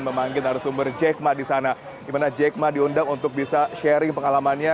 memanggil arsumber jack ma di sana dimana jack ma diundang untuk bisa sharing pengalamannya